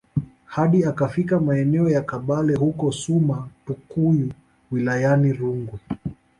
hadi akafika maeneo ya kabale huko suma tukuyu wilayani rungwe